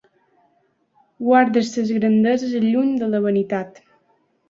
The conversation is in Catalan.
Guardes les grandeses lluny de la vanitat.